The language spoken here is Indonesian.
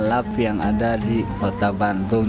lab yang ada di kota bandung